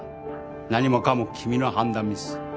何もかも君の判断ミス。